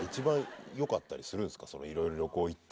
いろいろ旅行行って。